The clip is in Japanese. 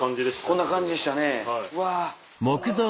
こんな感じでしたねうわ。